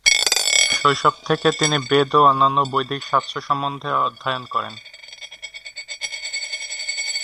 শৈশব থেকে তিনি বেদ ও অন্যান্য বৈদিক শাস্ত্র সম্বন্ধে অধ্যয়ন করেন।